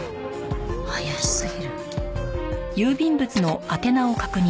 怪しすぎる。